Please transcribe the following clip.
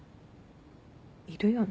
いるよね。